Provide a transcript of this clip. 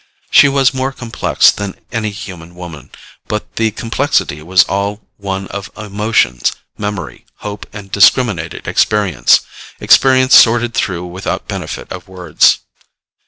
She was more complex than any human woman, but the complexity was all one of emotions, memory, hope and discriminated experience experience sorted through without benefit of words.